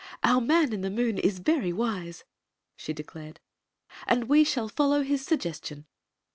"Our Man in the Moon is very wise," she declared ; "and we shall follow his suggestion.